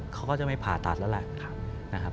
เขาก็จะไม่ผ่าตัดแล้ว